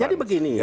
jadi begini ya